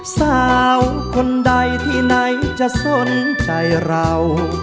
สาวคนใดที่ไหนจะสนใจเรา